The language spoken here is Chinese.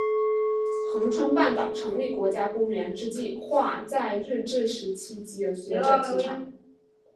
恒春半岛成立国家公园之计画在日治时期即有学者提倡。